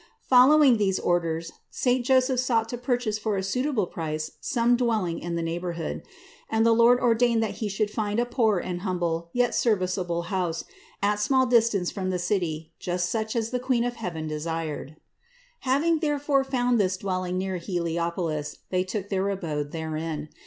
Following these orders, saint Joseph sought to purchase for a suitable price some dwelling in the 558 THE INCARNATION 559 neighborhood ; and the Lord ordained that he should find a poor and humble, yet serviceable house, at small dis tance from the city, just such as the Queen of heaven desired. 654. Having therefore found this dwelling near Heli opolis, they took their abode therein.